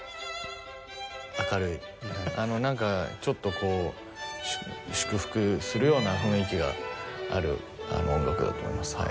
明るいなんかちょっとこう祝福するような雰囲気がある音楽だと思います。